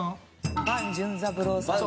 伴淳三郎さん。